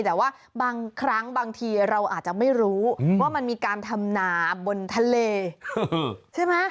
แต่ว่าบางครั้งบางทีเราอาจจะไม่รู้ว่ามันมีการทำนาบนทะเลใช่ไหม